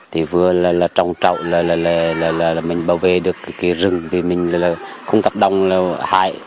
thì vừa là trồng trầu là mình bảo vệ được cái rừng vì mình là không tập đồng là hại